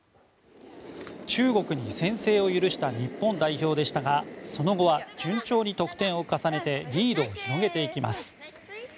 中国に先制を許した日本代表でしたがその後は順調に得点を重ねてリードを広げていきます。